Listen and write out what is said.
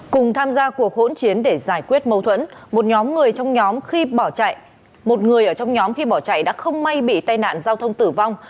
cùng tham gia cuộc hỗn chiến để giải quyết mâu thuẫn một người ở trong nhóm khi bỏ chạy đã không may bị tai nạn giao thông tử vong